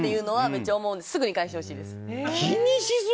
めっちゃ思うのですぐに返してほしいです。